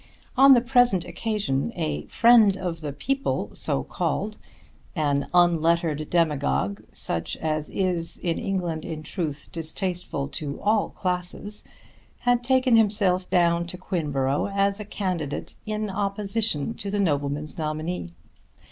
On the present occasion a friend of the people, so called, an unlettered demagogue such as is in England in truth distasteful to all classes, had taken himself down to Quinborough as a candidate in opposition to the nobleman's nominee.